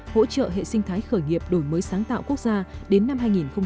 hỗ trợ hệ sinh thái khởi nghiệp đổi mới sáng tạo quốc gia đến năm hai nghìn hai mươi